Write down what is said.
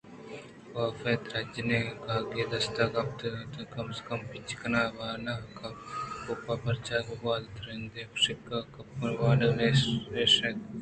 کاف ءَ درٛاجیں کاگد دست گپت ءُ پتات ءُکم کم ءَ پچ کنانءُ وانان کُت پرچا کہ گوٛات ءِترٛندیں کشّگ ءَ یکپارگی پہ وانگ نہ ایشت